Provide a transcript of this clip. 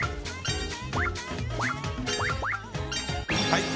はい。